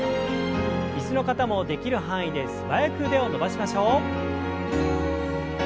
椅子の方もできる範囲で素早く腕を伸ばしましょう。